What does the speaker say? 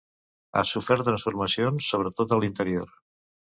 Ha sofert transformacions sobretot a l'interior.